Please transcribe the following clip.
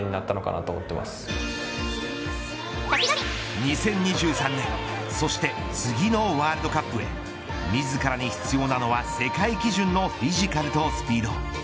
２０２３年そして、次のワールドカップへ自らに必要なのは世界基準のフィジカルとスピード。